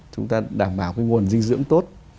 chúng ta đảm bảo cái nguồn dinh dưỡng tốt